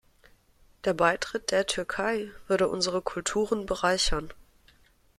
Der Beitritt der Türkei würde unsere Kulturen bereichern.